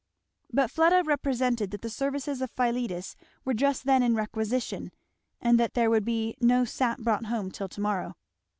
But Fleda represented that the services of Philetus were just then in requisition, and that there would be no sap brought home till to morrow.